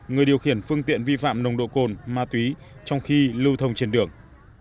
người điều khiển phương tiện vi phạm nồng độ cồn ma túy trong khi lưu thông trên đường